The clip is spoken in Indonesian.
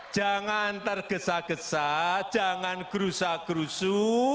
jangan tergesa gesa jangan gerusa gerusu